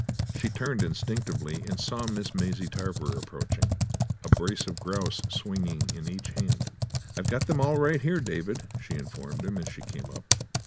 She turned instinctively and saw Miss Maisie Tarver approaching, a brace of grouse swinging in each hand. "I've got them all, right here, David," she informed him, as she came up.